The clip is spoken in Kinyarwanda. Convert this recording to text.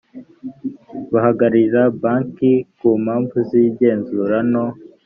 bahagararira banki ku mpamvu z igenzura no